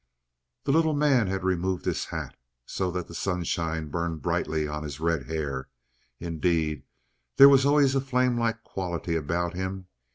The little man had removed his hat, so that the sunshine burned brightly on his red hair. Indeed, there was always a flamelike quality about him.